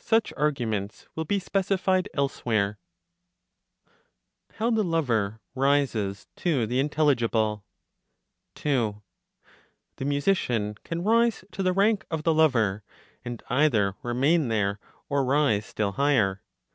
Such arguments will be specified elsewhere. HOW THE LOVER RISES TO THE INTELLIGIBLE. 2. The musician can rise to the rank of the lover, and either remain there, or rise still higher.